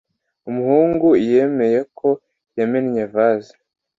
Umuhungu yemeye ko yamennye vase